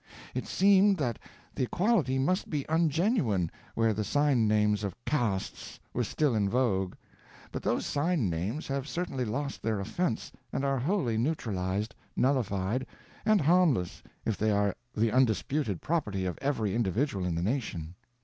It seemed that the equality must be ungenuine where the sign names of castes were still in vogue; but those sign names have certainly lost their offence and are wholly neutralized, nullified and harmless if they are the undisputed property of every individual in the nation.